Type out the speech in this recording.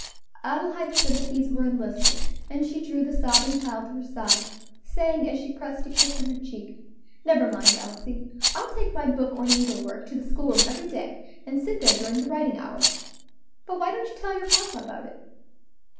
Adelaide's sympathies were enlisted, and she drew the sobbing child to her side, saying, as she pressed a kiss on her cheek, "Never mind, Elsie, I will take my book or needle work to the school room every day, and sit there during the writing hour. But why don't you tell your papa about it?"